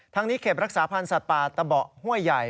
นี้เขตรักษาพันธ์สัตว์ป่าตะเบาะห้วยใหญ่